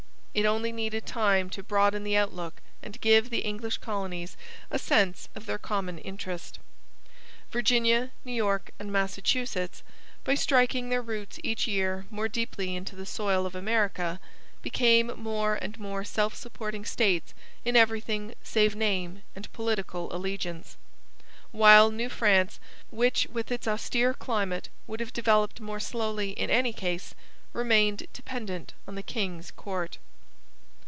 It only needed time to broaden the outlook and give the English colonies a sense of their common interest. Virginia, New York, and Massachusetts, by striking their roots each year more deeply into the soil of America, became more and more self supporting states in everything save name and political allegiance; while New France, which with its austere climate would have developed more slowly in any case, remained dependent on the king's court.